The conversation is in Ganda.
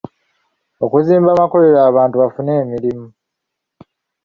Okuzimba amakolero abantu bafune emirimu.